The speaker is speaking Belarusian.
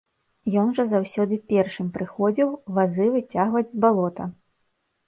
Ён жа заўсёды першым прыходзіў вазы выцягваць з балота.